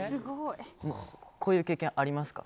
こういう経験ありますか？